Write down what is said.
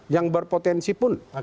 yang berpotensi pun